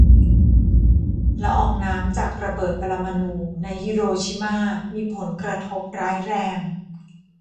ละอองน้ำจากระเบิดปรมาณูในฮิโรชิม่ามีผลกระทบร้ายแรง